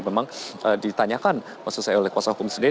memang ditanyakan oleh kuasa hukum sendiri